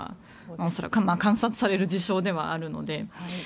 それは観察される事象ではあるので。